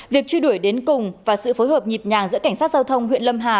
việc truy đuổi đến cùng và sự phối hợp nhịp nhàng giữa cảnh sát giao thông huyện lâm hà